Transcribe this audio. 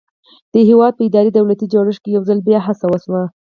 د هېواد په اداري دولتي جوړښت کې یو ځل بیا هڅه وشوه.